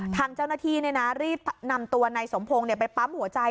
ทางเจ้าหน้าที่รีบนำตัวนายสมพงศ์ไปปั๊มหัวใจ